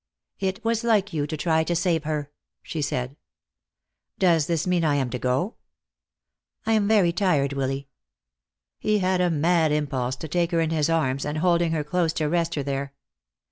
"It was like you to try to save her," she said. "Does this mean I am to go?" "I am very tired, Willy." He had a mad impulse to take her in his arms, and holding her close to rest her there.